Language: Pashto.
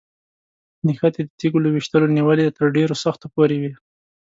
نښتې د تیږو له ویشتلو نیولې تر ډېرو سختو پورې وي.